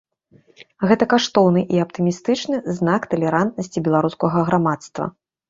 Гэта каштоўны і аптымістычны знак талерантнасці беларускага грамадства.